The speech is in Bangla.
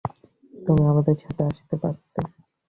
তুমি আমাদের সাথে আসতে পারতে!